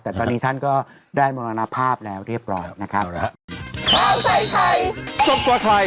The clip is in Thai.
แต่ตอนนี้ท่านก็ได้มรณภาพแล้วเรียบร้อยนะครับ